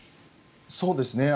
そうですね。